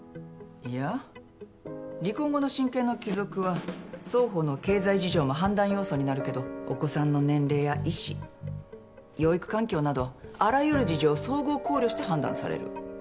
いや離婚後の親権の帰属は双方の経済事情も判断要素になるけどお子さんの年齢や意思養育環境などあらゆる事情を総合考慮して判断される。